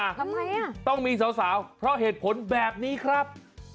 ทำไมอ่ะต้องมีสาวเพราะเหตุผลแบบนี้ครับ